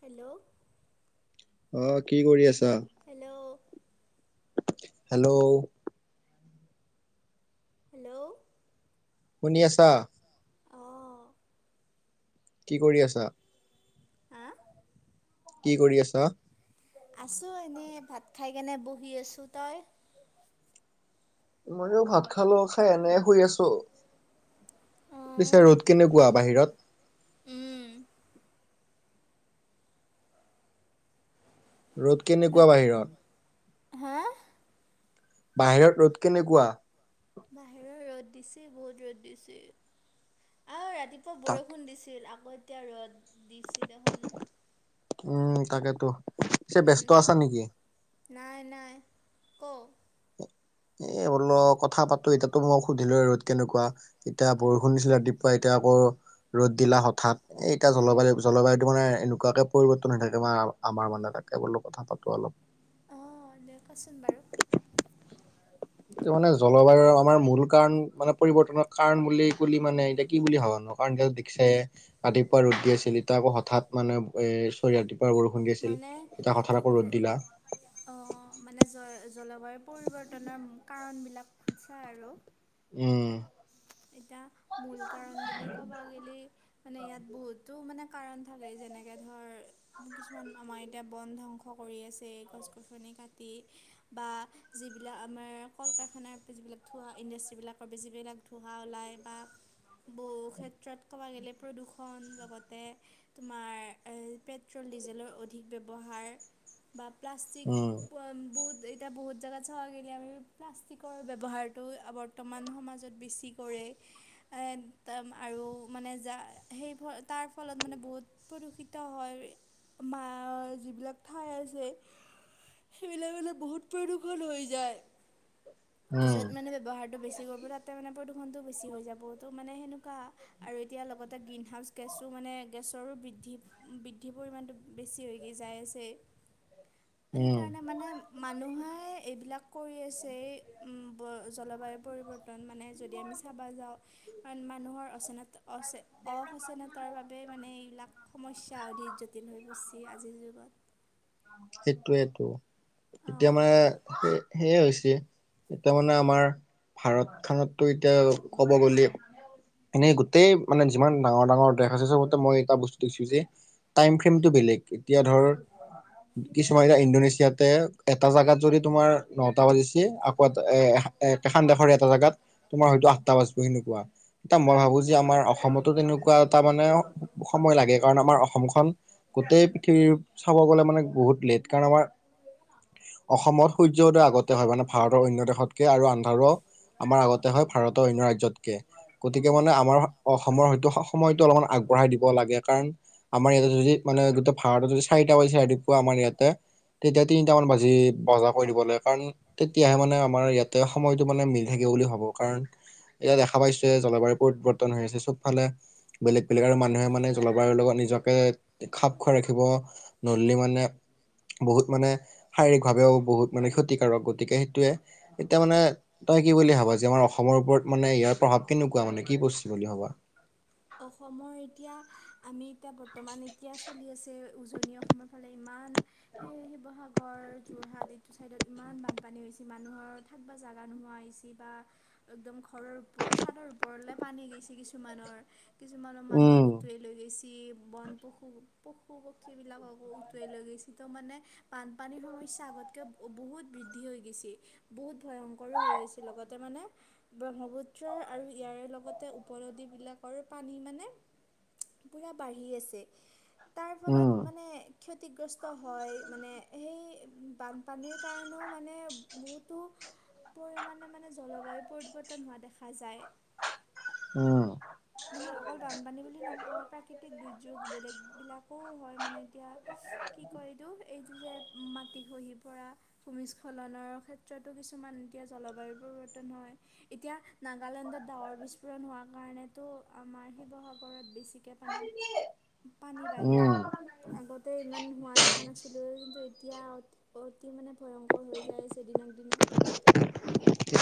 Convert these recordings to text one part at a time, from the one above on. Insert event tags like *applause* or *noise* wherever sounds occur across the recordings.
Hello. অ', কি কৰি আছা? হেল্ল'। হেল্ল'। হেল্ল'। শুনি আছা? অঁ কি কৰি আছা? হা কি কৰি আছা? আছোঁ এনেই ভাত খাই কেনে বহি আছোঁ। তই? মইও ভাত খালো, খাই এনে শুই আছো। থ, পিছে অঁ ৰ'দ কেনেকুৱা বাহিৰত? উম। ৰ'দ হ'ল কেনেকুৱা বাহিৰত? হা বাহিৰত ৰ'দ কেনেকুৱা? বাহিৰৰ ৰ'দ দিছে বহুত ৰ'দ দিছে, আৰু ৰাতিপ চ তাক বৰষুণ দিছিল, আকৌ এতিয়া ৰ'দ দিচি দেখোন। উম তাকেইতো। উম, নাই নাই ক এ বোলো কথা পাতো, এটা টো মই সুধিলো, ৰ'দ কেনেকুৱা? এতিয়া, অঁ বৰষুণ দিছিলে ৰাতিপুৱা এতিয়া আকৌ ৰ'দ দিলা হঠাৎ, এ এতিয়া উম জলবায়ু জলবায়ুতটো মানে এনেকুৱাকে পৰিৱৰ্তন হৈ থাকে *unintelligible* আমাৰ মানে তাকে বোলো কথা পাতো অলপ। অ', *unintelligible* কোৱাচোন বাৰু এটো মানে, জলবায়ুৰ আমাৰ মূল কাৰণ মানে পৰিৱৰ্তনৰ কাৰণ বুলি কলি মানে এতিয়া কি বুলি ভাবা নো? *unintelligible* দেখিছায়ে, ৰাতিপুৱা ৰদ দি আছিল ইটা আকৌ হঠাৎ মানে এ চৰি ৰাতিপুৱা বৰষুণ দি আছিল, এতিয়া হঠাৎ আকৌ ৰ'দ দিলা। অ', মানে জ জলবায়ু পৰিৱৰ্তনৰ কাৰণ বিলাক সুধচা আৰু উম। এতিয়া, মূল কাৰণ বুলি ক'বা গে'লে মানে ইয়াত বহুতো মানে কাৰণ থাকে যেনেকে ধৰ বু কিছুমান, আমাৰ এতিয়া বন ধ্বংস কৰি আছে এই গছ গছনি কাটি বা যিবিলাক আমাৰ কল কাৰখানাৰ যিবিলাক ধোৱা ইণ্ডাষ্ট্ৰিবিলাকৰ যিবিলাক ঠুহা ওলায় বা বহু ক্ষেত্ৰত ক'ব গ'লে প্ৰদূষণ লগতে তোমাৰ, পেট্ৰল, ডিজেলৰ অধিক ব্যৱহাৰ। বা প্লাষ্টিক *unintelligible* বহুত এই এতিয়া বহুত জেগাত চাৱা গেইলে আমি প্লাষ্টিকৰ ব্যৱহাৰটো বৰ্তমান সমাজত বেছি কৰে। এ তা আৰু মানে যা‌ সেই ফ তাৰ ফলত মানে বহুত প্ৰদূষিত হয় মা যিবিলাক ঠাই আছে সেইবিলাক হলে বহুত প্ৰদূষণ হৈ যায়। য'ত উম মানে ব্যৱহাৰটো বেছি কৰিব, তাতে মানে প্ৰদূষণটো বেছি হৈ যাব ত' মানে সেনেকুৱা। আৰু এতিয়া লগতে গ্ৰীণ হাউচ গেছো মানে গেছৰো বৃদ্ধি বৃদ্ধি পৰিমাণটো বেছি হৈ গেই যায় আছে। *unintelligible* সেইকাৰণে মানে উম',। মানুহে এইবিলাক কৰি আছে, এ', -উম', -ব', জলবায়ু পৰিৱৰ্তন মানে। যদি আমি চাবা যাওঁ। কাৰণ মানুহৰ অচেনাত-অচেন-অসচেতনতাৰ বাবে মানে এইবিলাক। সমস্যা অধিক জটিল হৈ পৰছে আজিৰ যুগত। সেইটোেইটো, এতিয়া অঁ মানে এ',। সেয়াই হৈছে, এতিয়া মানে আমাৰ ভাৰত খনতটো এতিয়া ক'ব গ'লে। এনেই গোটেই মানে যিমান ডাঙৰ-ডাঙৰ দেশ আছে চবতে মই এটা বস্তু দেখিছোঁ যে। টাইম ফ্ৰেমটো বেলেগ, এতিয়া ধৰ। কিছুমান, এতিয়া ইণ্ডোনেছিয়াতে এটা জাগাত যদি তোমাৰ নটা বাজিছে, আকৌ এটা এ আ', এ', একেইখন দেশৰে এটা জোগাত তোমাৰ হয়তো আঠটা বাজব সেনেকুৱা, তেতিয়া মই ভাবোঁ যে আমাৰ অসমত। এতো তেনেকুৱা এটা মানে সময় লাগে কাৰণ আমাৰ অসমখন। গোটেই পৃথিৱী চাব গ'লে মানে বহুত লেট কাৰণ আমাৰ। অসমত সূৰ্য উদয় আগতে হয় মানে ভাৰতৰ অন্য দেশতকে আৰু আন্ধাৰো আমাৰ আগত। আগতে হয় ভাৰতৰ অন্য ৰাজ্যতকে। গতিকে উম মানে আমাৰ অসমৰ হয়টো সময়তটো অলপমান আগবঢ়াই দিব লাগে কাৰণ। আমাৰ ইয়াতে য', -যদি মানে গোটে ভৰতটো যদি চাৰিটা বাজি ৰাতিপুৱা আমাৰ ইয়াতে। তেতিয়া তিনিটামান বাজি বজা কৰি দিব লাগে কাৰণ। তেতিয়াহে মানে আমাৰ ইয়াতে সময়তটো মানে মিল থাকে বুলি ভাবোঁ। কাৰণ, এতিয়া দেখা পাইছোঁ যে জলবায়ু পৰিৱৰ্তন হৈ আছে চব ফালে। বেলেগ-বেলেগ আৰু মানুহে মানে জলবায়ুৰ লগত নিজকে খাপ খুৱাই ৰাখিব। নহ'লে মানে। বহুত মানে, শাৰীৰিক ভাৱেও বহুত মানে ক্ষতিকাৰক গতিকে সেইটোৱে। এতিয়া মানে, তই কি বুলি ভাবা যে আমাৰ অস অসমৰ ওপৰত মানে ইয়াৰ প্ৰভাৱ কেনেকুৱা মানে কি পৰছি বুলি ভাবা? অসমৰ এতিয়া, আমি এতিয়া বৰ্তমান এতিয়া চলি আছে উজনি অসমৰ ফালে ইমান। সেই শিৱসাগৰ, যোৰহাট এইটো চাইদত ইমান বানপানী হৈ হৈছে মানুহৰ। থাকবা জাগা নোহোৱা হৈছি বা। একদম ঘৰৰ ওপৰ, চাদৰ ওপৰলৈ পানী গৈছি কিছুমানৰ। কিছুমানৰ মানুহক উম উটুৱাই লৈ গৈছে। যি বন পশু-পশু-পক্ষীবিলাককো উটুৱাই লৈ গৈছে তো মানে। বানপানীৰ সমস্যা আগতকে বহ', -বহুত বৃদ্ধি হৈ গৈছে। বহুত ভয়ংকৰো হৈ গৈছিল লগতে মানে। ব্ৰহ্মপুত্ৰ আৰু ইয়াৰে লগতে উপ-নদী বিলাকো। পানী মানে পুৰা বাঢ়ি আছে তাৰ ফলত উম মানে। ক্ষতিগ্ৰস্ত হয় মানে সেই বানপানীৰ কাৰণেও মানে বহুতো। পৰিমাণে মানে জলবায়ু পৰিৱৰ্তন হোৱা দেখা যায়। উম',। মানে অকল বানপানী বুলি নকওঁ, প্ৰাকৃতিক দুৰ্যোগ বেলেগবিলাকো হয় মানে এতিয়া। কি কয় এইটো, এইটো যে মাটি খহি পৰা। ভূমিস্খলনৰ ক্ষেত্ৰতো কিছুমান এতিয়া জলবায়ুৰ পৰিৱৰ্তন হয়। এতিয়া নাগালেণ্ডত ডাৱৰ বিস্ফোৰণ হোৱাৰ কাৰণে। তো, আমাৰ শিৱসাগৰত বেছিকৈ মানে, পানী বাঢ়িল। উম আগতে ইমান হোৱা দেখা নাছিলোঁ, কিন্তু এতিয়া অত অতি মানে ভয়ংকৰ হৈ যায়চে দিনক দিনে।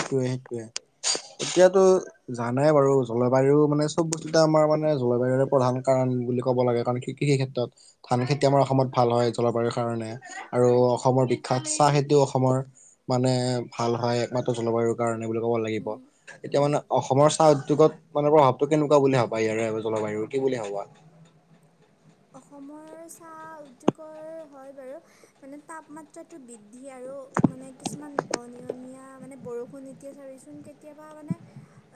ৱেট ৱেট এতিয়াতো জানে বাৰু জলবায়ু মানে চব বস্তুটা আমাৰ মানে জলবায়ুৰে প্ৰধান কাৰণ বুলি ক'ব লাগে কাৰণ কৃষি ক্ষেত্ৰত। ধান খেতি আমাৰ অসমত ভাল হয় জলবায়ুৰ কাৰণে আৰু উম অসমৰ বিখ্যাত চাহ খেতিও অসমৰ। মানে ভাল হয় একমাত্ৰ জলবায়ুৰ কাৰণে বুলি ক'ব লাগিব উম এতিয়া উম মানে অসমৰ চাহ উদ্যোগত মানে প্ৰভাৱটো কেনেকুৱা বুলি ভাবা ইয়াৰে আৰু জলবায়ুৰ কি বুলি ভাবা? অসমৰ চাহ উদ্যোগৰ হয় বাৰু। মানে তাপমাত্ৰাটো বৃদ্ধি আৰু মানে কিছুমান অনিয়মীয়া মানে বৰষুণ এতিয়া চাবিচোন কেতিয়াবা মানে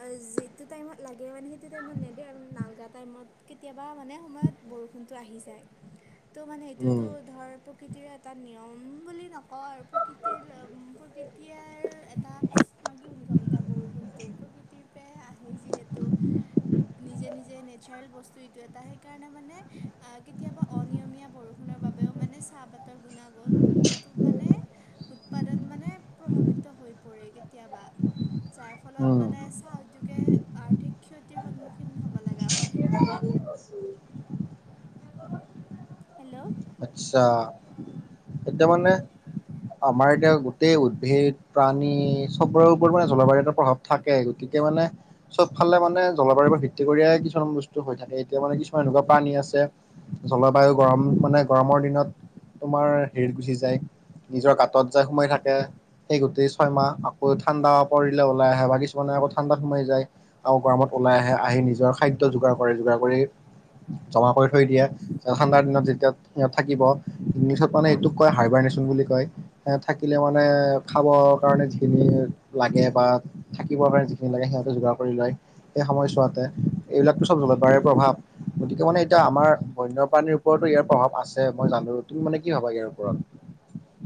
অ যিটো টাইমত লাগে মানে সেইটো টাইমত নেদে আৰু নালগা টাইমত কেতিয়াবা মানে সময়ত বৰষুণ বৰষুণটো আহি যায়, ত মানে উম, এইতোটো ধৰ প্ৰকৃতিৰে এটা নিয়ম বুলি নকওঁ আৰু প্ৰকৃতিৰ প্ৰকৃতিয়ৰ এটা মই কি বুলি ক'ম এতিয়া বৰষুণটো প্ৰকৃতিৰ পৰাই আহে যিহেতু নিজে নিজে নেচাৰেল বস্তু এইটো এটা সেইকাৰণে মানে কেতিয়াবা অনিয়মীয়া বৰষুণৰ বাবেও মানে চাহপাতৰ গুণাগুণ। ত মানে উৎপাদন মানে প্ৰভাৱিত হৈ পৰে কেতিয়াবা। যাৰ ফলত উম, মানে চাহ উদ্যোগে আৰ্থিক ক্ষতিৰ সন্মুখীন হ'ব লগা হয়। হেল্ল' আচ্ছা এতিয়া মানে। আমাৰ এতিয়া গোটেই উদ্ভিদ প্ৰাণী চববোৰৰ ওপৰত মানে জলবায়ু এটা প্ৰভাৱ। থাকে গতিকে মানে। চব ফালে মানে জলবায়ুৰ পৰা ভিত্তি কৰিয়ে কিছুমান বস্তু হৈ থাকে এতিয়া মানে কিছুমান এনেকুৱা পানী আছে জলবায়ু গৰম মানে গৰমৰ দিনত তোমাৰ হেৰিত গুচি যায়। নিজৰ গাঁতত যায় সোমাই থাকে সেই গোটেই ছয়মাহ আকৌ ঠাণ্ডা পৰিলে ওলাই আহে বাকি চ কিছুমানে আকৌ ঠাণ্ডা সোমাই যায় আকৌ গৰমত ওলাই আহে আহি নিজৰ খাদ্য যোগাৰ কৰে যোগাৰ কৰি জমা কৰি থৈ দিয়ে ঠাণ্ডাৰ দিনত যেতিয়া। ইয়াত থাকিব ইংলিছত মানে এইটোক কয় হাৰবাৰ নেশ্যন বুলি কয়। এ থাকিলে মানে খাবৰ কাৰণে যিখিনি লাগে বা। থাকিব লাগে যিখিনি লাগে সিহঁতে যোগাৰ কৰি লয়। সেই সময়ছোৱাতে এইবিলাকতো চব জলবায়ুৰ প্ৰভাৱ। গতিকে মানে এতিয়া আমাৰ বন্যপ্ৰাণীৰ ওপৰতো ইয়াৰ প্ৰভাৱ আছে মই জানো, তুমি মানে কি ভাবা ইয়াৰ ওপৰত?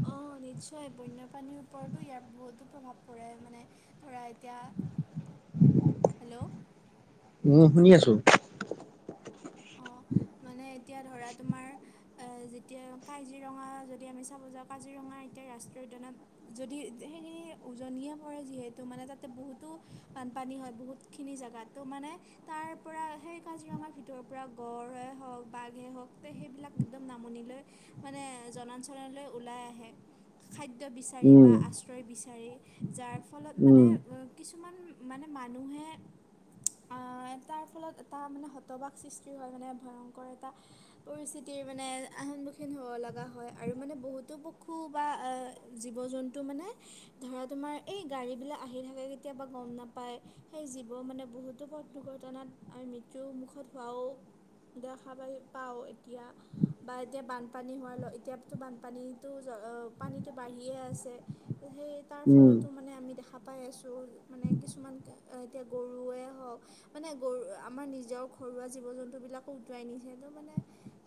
অ নিশ্চয় বন্যপাণীৰ ওপৰতো ইয়াৰ বহুতো প্ৰভাৱ পৰে মানে। ধৰা এতিয়া হেল্ল' উম শুনি আছোঁ। অ মানে এতিয়া ধৰা তোমাৰ। যেতিয়া কাজিৰঙা যদি আমি চাব যাওঁ কাজিৰঙা এতিয়া ৰাষ্ট্ৰীয় উদ্যানত যদি সেইখিনি উজনিয়ে পৰে যিহেতু মানে তাতে বহুতো। বানপানী হয় বহুতখিনি জেগাত ত' মানে তাৰ পৰা সেই কাজিৰঙাৰ ভিতৰ পূৰা গঁড় হওক বাঘে হওক তে সেইবিলাক একদম নামনি লৈ মানে জনাঞ্চললৈ ওলাই আহে। খাদ্য বিচাৰি উম বা আশ্ৰয় বিচাৰি যাৰ ফলত উম মানে কিছুমান মানে মানুহে আ এটাৰ ফলত এটা মানে হতবাগ সৃ সৃষ্টি হয় মানে ভয়ংকৰ এটা। পৰিস্থিতিৰ মানে সন্মুখীন হ'ব লগা হয় আৰু মানে বহুতো পশু বা আ জীৱ জন্তু মানে ধৰা তোমাৰ এই গাড়ীবিলাক আহি থাকে কেতিয়াবা গম নাপায়। সেই জীৱ মানে বহুতো পথ দুৰ্ঘটনাত আমি মৃত্যুৰ মুখত হোৱাও দেখা পাই পাওঁ এতিয়া হ হ। বা এতিয়া বানপানী হোৱালৈ এতিয়াতো বানপানীটো জ অ অ পানীটো বাঢ়িয়ে আছে। সেই ই ই তাৰ উম ফলতো মানে আমি দেখা পাই আছো এ মানে কিছুমান কে এতিয়া গৰুৱে হওক মানে উহ্ উ গৰু আমাৰ নিজা ঘৰুৱা জীৱ-জন ত্ত বিলাকো উতোৱাই নিছে তো মানে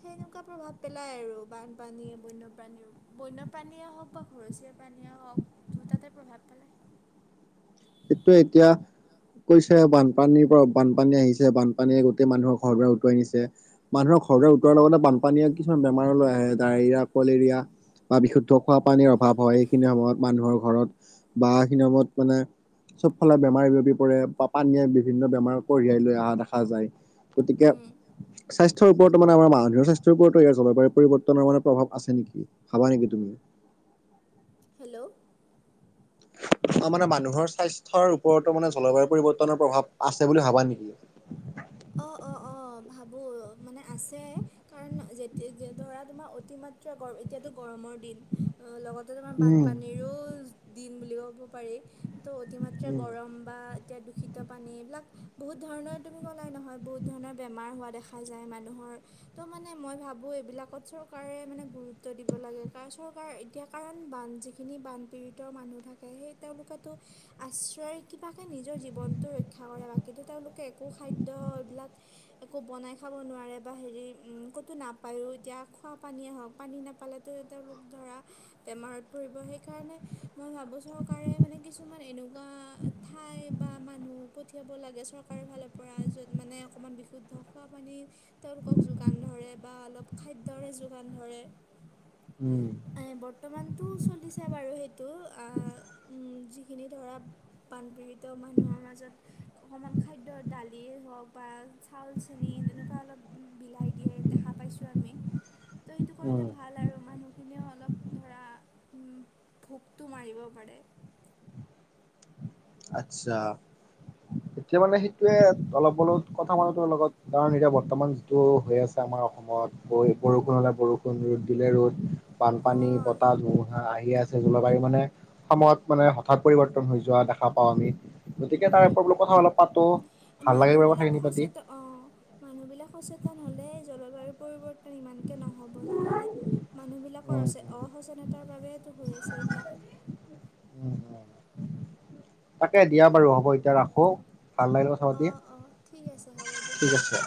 সেনেকুৱা প্ৰভাৱ পেলাই আৰু বানপানীয়ে বন্যপ্ৰাণীও। বন্যপ্ৰাণীয়ে হওক বা ঘৰচীয়া প্ৰাণী আৰু আও দুটাতে প্ৰভাৱ পেলায়। সেইটোৱে এতিয়া। কৈছে বানপানীৰ পৰা বানপানী আহিছে বানপানীয়ে গোটেই মানুহৰ ঘৰ-দুৱাৰ উতুৱাই নিছে। মানুহৰ ঘৰতে উতোৱাৰ লগতে বানপানীয়ে কিছুমান বেমাৰলৈ আহে ডায়েৰিয়া, কলেৰিয়া। বা বিশুদ্ধ খোৱা পানীৰ অভাৱ হয় এইখিনি সময়ত মানুহৰ ঘৰত সি ই ই বা সিখিনি সময়ত মানে চব ফালে বেমাৰ বিয়পি পৰে বা পানীয়ে বিভিন্ন বেমাৰ কঢ়িয়াই লৈ আহা দেখা যায়। কতিকে উম, স্বাস্থ্যৰ ওপৰতো মানে আমাৰ মানুহ স্বাস্থ্যৰ ওপৰতো এয়া জলবায়ুৰ পৰিৱৰ্তনৰ মানে প্ৰভাৱ আছে নেকি? খাবা নেকি তুমি? হেল্ল' স স অ মানে মানুহৰ স্বাস্থ্যৰ ওপৰতো মানে জলবায়ুৰ পৰিৱৰ্তনৰ প্ৰভাৱ আছে বুলি ভাবা নেকি? অ অ অ ভাবো মানে আছে। কাৰণ এ যেতিয়া যে ধৰা তোমাৰ অতিমাত্ৰা গৰম এতিয়াতো গৰমৰ দিন ই আহ্ ল ল লগত ত তোমাৰ উম বানপানীৰো দিন বুলি ক'ব পাৰি ই ই আহ্ তো অতিমাত্ৰা সেই উম গৰম বা এতিয়া দূষিত পানী এইবিলাক আহ্ বহুত ধৰণৰ তুমি ই ই কলাই নহয় বহুত ধৰণৰ বেমাৰ হোৱা দেখা যায় মানুহৰ আ আহ্। তো' মানে মই ভাবো এইবিলাকত চৰকাৰে মানে গুৰুত্ব দিব লাগে কাৰণ চৰকাৰ এতিয়া কাৰণ বান যিখিনি বানপীড়িতৰ মানুহ থাকে সেই তেওঁলোকেতো ই এহ্ ই আ আশ্ৰয়ৰ কিবাকে নিজৰ জীৱনটো ৰক্ষা কৰে বা কিন্তু তেওঁলোকে একো খাদ্য এইবিলাক এ এ হে এ একো বনাই খাব নোৱাৰে বা হেৰি উম উ উ ক'তো নাপায়ো এতিয়া খোৱা পানীয়ে হওক পানী নেপালে তুই তেওঁলোক ধৰা আহ আহ বেমাৰত পৰিব সেইকাৰণে হে মই ভাবো চৰকাৰে মানে কিছুমান এনেকুৱা ঠাই বা মানুহ পঠিয়াব লাগে চৰ চৰকাৰৰ ফালৰ পৰা য'ত মানে অকমান বিশুদ্ধ খোৱা পানী তেওঁলোকক যোগান ধৰে বা অলপ খাদ্যৰে যোগান ধৰে। উম উ উ। আ এ এ বৰ্তমানটো চলিছে বাৰু সেইটো আ আ আ উম উ উ যিখিনি ধৰা বানপীড়িত মানুহৰ মাজত অকমান খাদ্য দাল যিয়ে হওক বা চাউল চেনি তেনেকুৱা অলপ বিলাই দিয়ে দেখা পাইছোঁ আমি। তো' এইটো উম কৰিলে ভাল আৰু মানুহখিনিও অলপ ধৰা উম উ উ। ভোকটো মাৰিব পাৰে। আচ্ছা। হু হু উ এতিয়া মানে সেইটোৱে অলপ অলপ কথা মানো তোৰ লগত কাৰণ এতিয়া বৰ্তমান টো ও ও হৈ আছে আমাৰ অসমত বৈ বৰষুণ হলে বৰষুণ ৰ'দ দিলে ৰ'দ বানপানী অঁ বতাহ ধুমুহা আহি আছে। এই জলবায়ু মানে সময়ত মানে হঠাৎ পৰিৱৰ্তন হৈ যোৱা দেখা পাও আমি। গতিকে তাৰ উম, ওপৰত বোলো কথা অলপ পাতো ভাল লাগে বাৰু মানুহবিলাক কথাখিনি পাতি। সচেতন অঁ অ অ অ, মানুহবিলাক সচেতন হ'লেই জলবায়ুৰ পৰিৱৰ্তন ইমানকে নহ'ব জানানে। মানুহবিলাকৰ উম অচে উম অসচেতনতাৰ বাবেতো হৈ আছে এইবিলাক। উম উম তাকে দিয়া বাৰু হ'ব এতিয়া ৰাখো ভাল লাগিলে ক- অঁ অঁ ঠিক আছে হ'ব দিয়া। আছে